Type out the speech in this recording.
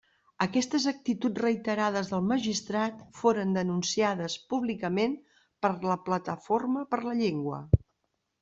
Aquestes actituds reiterades del magistrat foren denunciades públicament per la Plataforma per la Llengua.